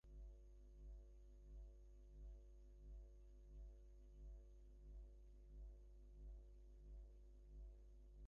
সেটা তোমার ওপর নির্ভর করছে, আমার নয়।